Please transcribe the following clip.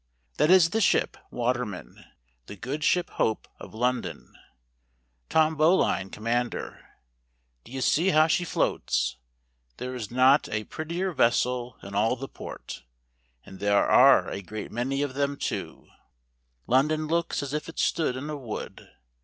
That is the ship, Waterman.—The good ship Hope, of London, Tom Bowline commander. D'ye see how she floats. There is not a pret¬ tier vessel in all the port; and there are a great many of them too : London looks as if it stood in a wood.